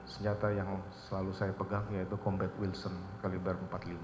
senjata yang selalu saya pegang yaitu combat wilson kaliber empat puluh lima